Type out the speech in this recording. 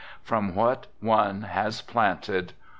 From what one has planted